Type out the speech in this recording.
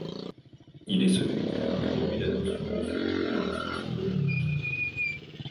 Il est celui qui a introduit la notion du surplus dans la science économique.